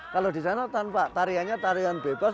kalau di sana tanpa tariannya tarian bebas